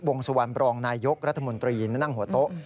สุวรรณบรองนายยกรัฐมนตรีนั่งหัวโต๊ะ